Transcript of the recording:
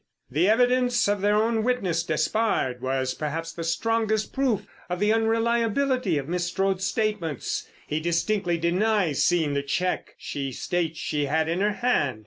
"The evidence of their own witness, Despard, was perhaps the strongest proof of the unreliability of Miss Strode's statements. He distinctly denies seeing the cheque she states she had in her hand.